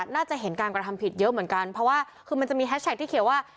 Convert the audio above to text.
น่าจะเห็นการกระทำผิดเยอะเหมือนกันเพราะว่าคือมันจะมีแฮชแท็กที่เขียนว่า